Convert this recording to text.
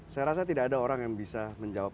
saya rasa tidak ada orang yang bisa menjawab